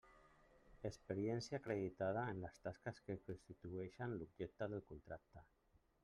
Experiència acreditada en les tasques que constitueixen l'objecte del contracte.